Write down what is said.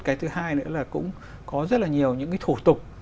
cái thứ hai nữa là cũng có rất là nhiều những cái thủ tục